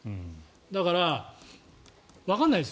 だから、わからないです。